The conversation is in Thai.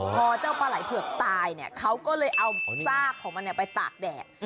พอเจ้าปลาไหล่เผือกตายเนี่ยเขาก็เลยเอาซากของมันไปตากแดด